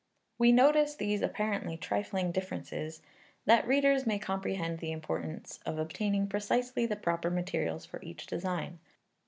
We notice these apparently trifling differences that readers may comprehend the importance of obtaining precisely the proper materials for each design.